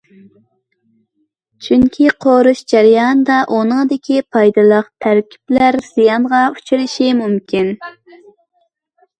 چۈنكى قورۇش جەريانىدا ئۇنىڭدىكى پايدىلىق تەركىبلەر زىيانغا ئۇچرىشى مۇمكىن.